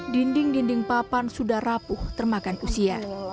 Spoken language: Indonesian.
dinding dinding papan sudah rapuh termakan usia